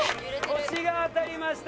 腰が当たりました。